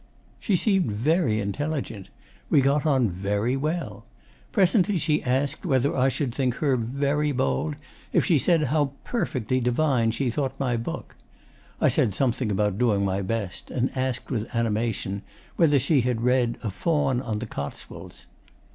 She seemed very intelligent. We got on very well. Presently she asked whether I should think her VERY bold if she said how PERFECTLY divine she thought my book. I said something about doing my best, and asked with animation whether she had read "A Faun on the Cotswolds."